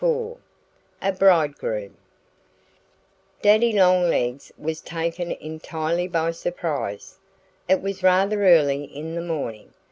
XXIV A BRIDEGROOM DADDY LONGLEGS was taken entirely by surprise. It was rather early in the morning.